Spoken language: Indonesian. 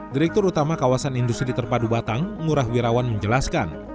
direktur utama kawasan industri terpadu batang ngurah wirawan menjelaskan